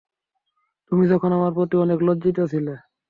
তুমি তখন আমার প্রতি অনেক লজ্জিত ছিলে।